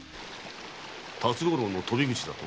辰五郎の鳶口だと？